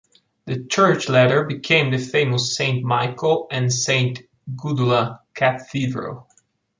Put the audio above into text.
The church later became the famous Saint Michael and Saint Gudula Cathedral.